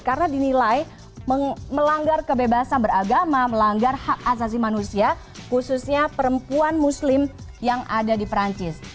karena dinilai melanggar kebebasan beragama melanggar hak asasi manusia khususnya perempuan muslim yang ada di perancis